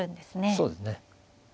そうですね。